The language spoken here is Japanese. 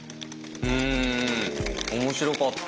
うん面白かった。